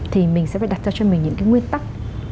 thì mình sẽ phải đặt ra cho mình những cái nguyên tắc